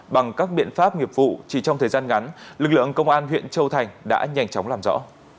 bằng các biện pháp nghiệp vụ chỉ trong thời gian ngắn lực lượng công an huyện châu thành đã nhanh chóng làm rõ